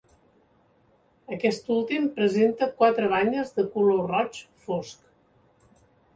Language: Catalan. Aquest últim presenta quatre banyes de color roig fosc.